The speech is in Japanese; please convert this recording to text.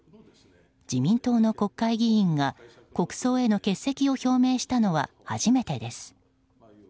自民党の国会議員が国葬への欠席を表明したのは初めてです。